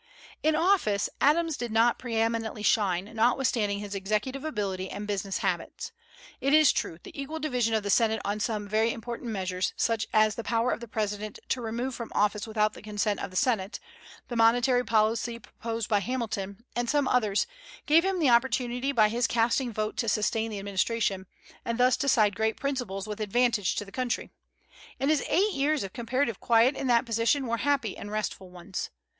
In office Adams did not pre eminently shine, notwithstanding his executive ability and business habits. It is true, the equal division of the Senate on some very important measures, such as the power of the President to remove from office without the consent of the Senate, the monetary policy proposed by Hamilton, and some others, gave him the opportunity by his casting vote to sustain the administration, and thus decide great principles with advantage to the country. And his eight years of comparative quiet in that position were happy and restful ones.